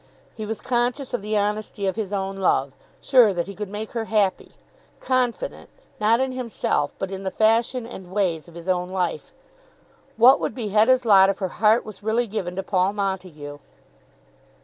He was conscious of the honesty of his own love, sure that he could make her happy, confident, not in himself, but in the fashion and ways of his own life. What would be Hetta's lot if her heart was really given to Paul Montague?